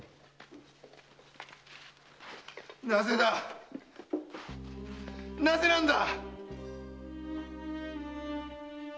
なぜだなぜなんだ